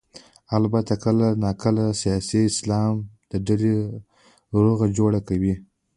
البته کله نا کله د سیاسي اسلام ډلې روغه جوړه کوي.